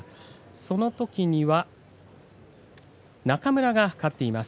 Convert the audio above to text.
そのときには中村が勝っています。